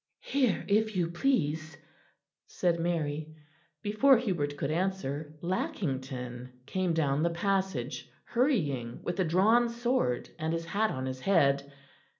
"Here, if you please," said Mary. Before Hubert could answer, Lackington came down the passage, hurrying with a drawn sword, and his hat on his head.